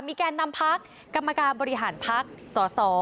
แกนนำพักกรรมการบริหารพักสส